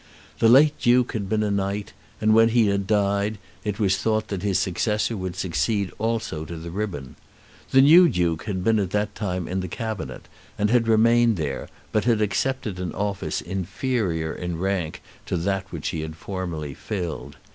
The late Duke had been a Knight, and when he had died, it was thought that his successor would succeed also to the ribbon. The new Duke had been at that time in the Cabinet, and had remained there, but had accepted an office inferior in rank to that which he had formerly filled.